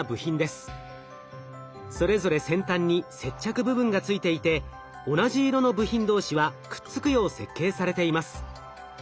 それぞれ先端に接着部分がついていて同じ色の部品同士はくっつくよう設計されています。